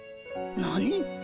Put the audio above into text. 何？